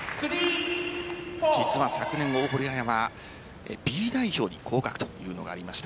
昨年、大堀彩はＢ代表に降格というのがありました。